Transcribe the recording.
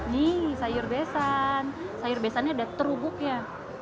nih sayur besan sayur besannya ada terubuknya